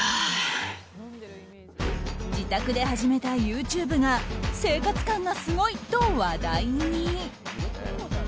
自宅で始めたＹｏｕＴｕｂｅが生活感がすごいと話題に。